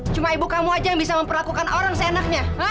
cuma ibu kamu aja yang bisa memperlakukan orang seenaknya